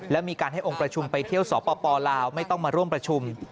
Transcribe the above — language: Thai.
และมีการให้องค์ประชุมไปเที่ยวสปลาวไม่ต้องมาร่วมประชุม